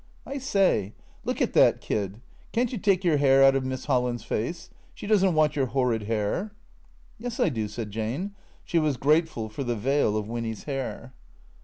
" I say ! look at that kid. Can't you take your hair out of Miss Holland's face ? She does n't want your horrid hair." " Yes, I do," said Jane. She was grateful for the veil of Winny's hair.